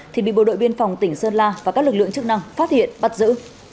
thì bị bộ đội biên phòng tỉnh sơn la và các lực lượng chức năng phát hiện bắt giữ